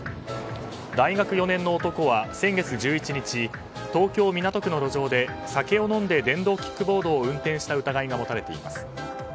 大学４年の男は先月１１日東京・港区の路上で酒を飲んで電動キックボードを運転した疑いが持たれています。